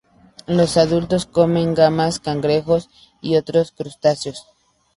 Los adultos comen gambas, cangrejos y otros crustáceos.